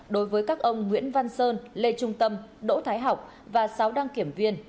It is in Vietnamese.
đối với các ông nguyễn văn sơn lê trung tâm đỗ thái học và sáu đăng kiểm viên